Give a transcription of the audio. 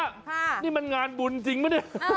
เป็นนี่มันงานบุญจริงปะนี่